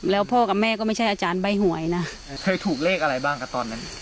แล้วพ่อกับแม่ก็ไม่ใช่อาจารย์ใบหวยนะเคยถูกเลขอะไรบ้างครับตอนนั้น